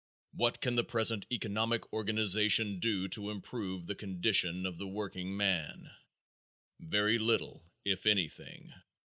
What can the present economic organization do to improve the condition of the workingman? Very little, if anything.